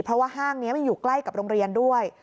เพราะว่าห้างนี้มันอยู่ใกล้กับโรงเรียนด้วย